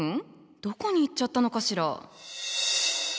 どこに行っちゃったのかしら？